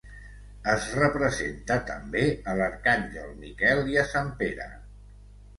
Es representa també a l'arcàngel Miquel i a Sant Pere.